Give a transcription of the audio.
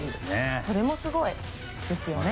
それもすごいですね。